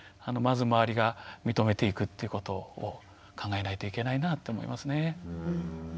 まず周りが認めていくっていうことを考えないといけないなと思いますね。